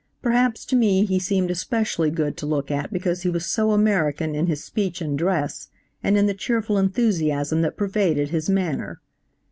Perhaps to me he seemed especially good to look at because he was so American in his speech and dress, and in the cheerful enthusiasm that pervaded his manner.